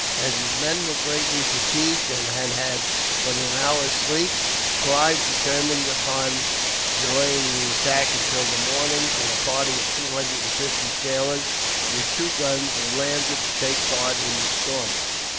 As his men were greatly fatigued, and had had but an hour's sleep, Clive determined upon delaying the attack until the morning; and a party of two hundred and fifty sailors, with two guns, were landed to take part in the storming.